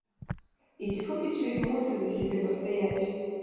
І ці хопіць у іх моцы за сябе пастаяць?